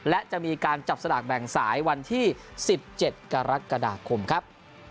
และจะมีการจับสลากแบ่งสายวันที่๑๗กรกฎาคมครับ